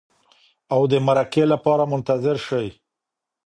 او د مرکې لپاره منتظر شئ.